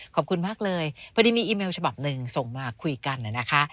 ขอบคุณมากเลยพอดีมีอีเมลฉบับหนึ่งส่งมาคุยกันนะคะ